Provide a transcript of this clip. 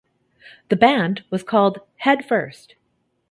The band was called "Head First".